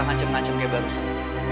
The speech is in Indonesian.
ngancam ngancam kayak barusan